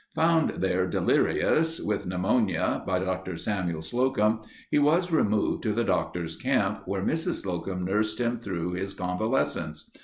Found there delirious, with pneumonia, by Dr. Samuel Slocum, he was removed to the Doctor's camp where Mrs. Slocum nursed him through his convalescence.